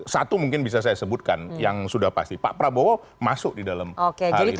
satu mungkin bisa saya sebutkan yang sudah pasti pak prabowo masuk di dalam hal itu